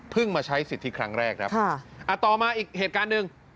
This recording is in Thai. เพิ่งมาใช้สิทธิครั้งแรกครับนะครับค่ะต่อมาอีกเหตุการณ์หนึ่ง